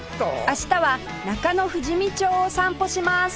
明日は中野富士見町を散歩します